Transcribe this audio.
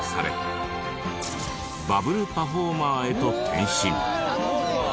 バブルパフォーマーへと転身。